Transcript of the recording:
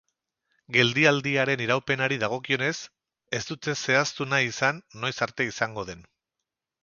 Geldialdiaren iraupenari dagokionez, ez dute zehaztu nahi izan noiz arte izango den.